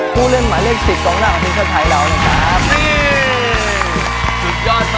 คู่เล่นหมายเลขศิษฐ์ตรงหน้าของฟิศาสตร์ไทยเหล่านี่ครับ